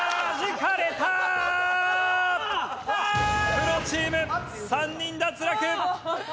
プロチーム３人脱落。